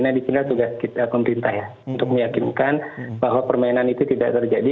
nah disini tugas pemerintah ya untuk meyakinkan bahwa permainan itu tidak terjadi